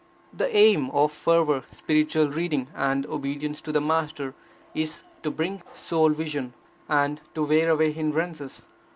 The aim of fervour, spiritual reading and obedience to the Master, is, to bring soulvision, and to wear away hindrances.